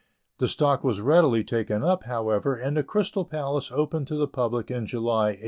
The stock was readily taken up, however, and the Crystal Palace opened to the public in July, 1853.